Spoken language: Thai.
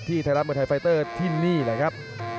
ที่ไทยรัฐเมืองไทยไฟเตอร์ที่นี่เลยครับ